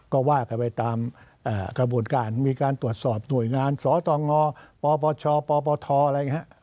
ก็ว่ากันไปตามกระบวนการมีการตรวจสอบหน่วยงานสตงปปชปปทอะไรอย่างนี้